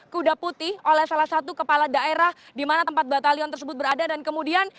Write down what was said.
kuda putih oleh salah satu kepala daerah di mana tempat batalion tersebut berada dan kemudian